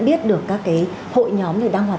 biết được các cái hội nhóm này đang hoạt